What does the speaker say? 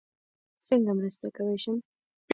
څنګه مرسته کوی شم؟